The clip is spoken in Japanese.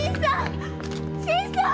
新さん！